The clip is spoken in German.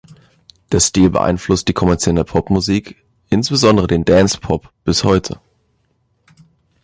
Der Stil beeinflusst die kommerzielle Popmusik, insbesondere den Dance Pop bis heute.